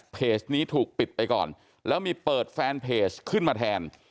เพจนี้ถูกปิดไปก่อนแล้วมีเปิดแฟนเพจขึ้นมาแทน